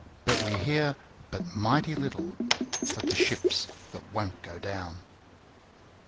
But we hear but mighty little Of the ships that won't go down.